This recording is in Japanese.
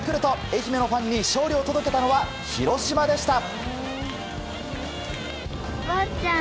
愛媛のファンに勝利を届けたのは広島でした。